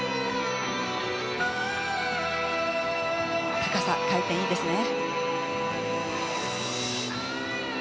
高さ、回転、いいですね。